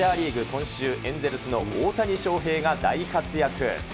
今週、エンゼルスの大谷翔平が大活躍。